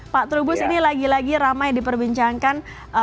pak trubus ini lagi lagi ramai diperbincangkan